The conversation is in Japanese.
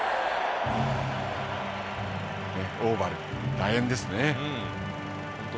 オーバル、だ円ですね。